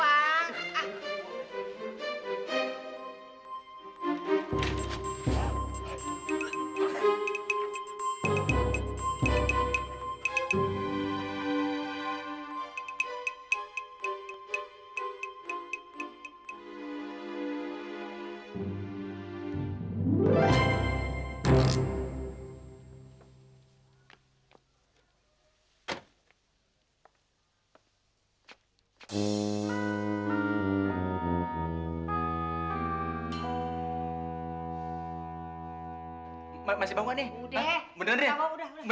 adik adik aja sih non ya